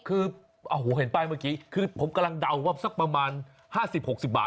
คือโอ้โหเห็นป้ายเมื่อกี้คือผมกำลังเดาว่าสักประมาณ๕๐๖๐บาท